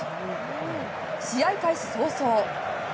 試合開始早々。